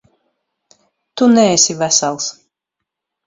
Tu neesi vesels.